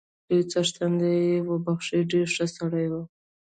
لوی څښتن دې يې وبخښي، ډېر ښه سړی وو